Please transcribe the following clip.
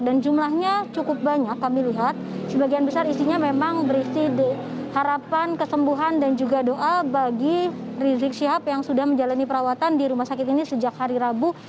dan jumlahnya cukup banyak kami lihat sebagian besar isinya memang berisi harapan kesembuhan dan juga doa bagi rizik shihab yang sudah menjalani perawatan di rumah sakit ini sejak hari rabu hingga saat ini